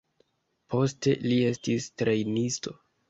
Poste li estis trejnisto.